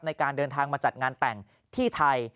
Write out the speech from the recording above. ในการเดินทางมาจัดงานแต่งที่ไทย